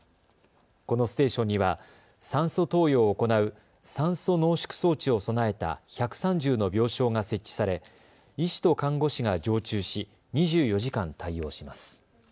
このステーションには酸素投与を行う酸素濃縮装置を備えた１３０の病床が設置され医師と看護師が常駐し２４時間対応します。